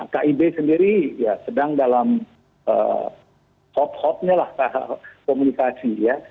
kib sendiri ya sedang dalam hot hotnya lah komunikasi ya